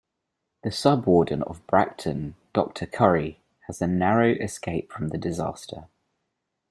The Sub-warden of Bracton, Doctor Curry, has a narrow escape from the disaster.